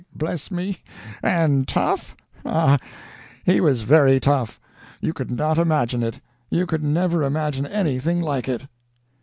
why, bless me! and tough? Ah, he was very tough! You could not imagine it you could never imagine anything like it."